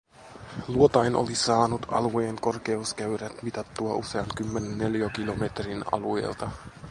Luotain oli saanut alueen korkeuskäyrät mitattua usean kymmenen neliökilometrin alueelta.